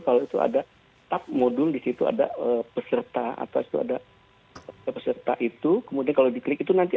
kalau itu ada tap modul di situ ada peserta atau ada peserta itu kemudian kalau diklik itu nanti